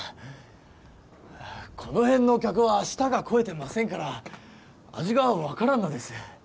この辺の客は舌が肥えてませんから味が分からんのです